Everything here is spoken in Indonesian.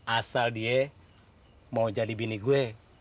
asal dia mau jadi bini gue